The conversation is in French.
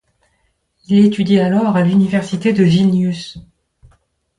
Il étudie alors à l'université de Vilnius.